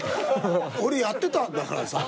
俺やってたんだからさ。